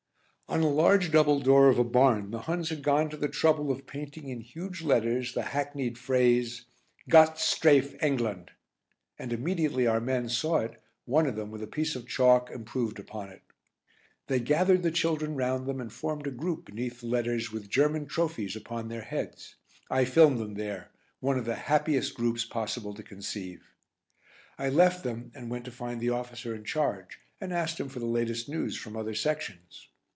On a large double door of a barn the Huns had gone to the trouble of painting in huge letters the hackneyed phrase "Gott strafe England," and immediately our men saw it one of them, with a piece of chalk, improved upon it. They gathered the children round them and formed a group beneath the letters with German trophies upon their heads; I filmed them there, one of the happiest groups possible to conceive. I left them and went to find the officer in charge, and asked him for the latest news from other sections.